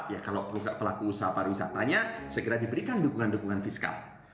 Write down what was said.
ya kalau pelaku usaha pariwisatanya segera diberikan dukungan dukungan fiskal